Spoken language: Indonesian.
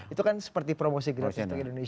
itu kan seperti promosi gratis untuk indonesia